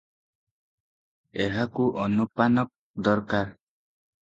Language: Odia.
ଏହାକୁ ଅନୁପାନ ଦରକାର ।